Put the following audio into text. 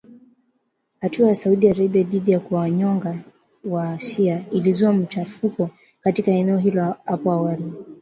Hatua ya Saudi Arabia dhidi ya kuwanyonga wa shia ilizua machafuko katika eneo hilo hapo awali